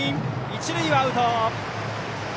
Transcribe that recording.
一塁はアウト。